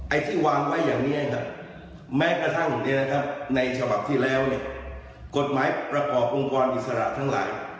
ที่วางไว้อย่างนี้ครับแม้กระทั่งในฉบับที่แล้วกฎหมายประกอบองค์กรอิสระทั้งหลาย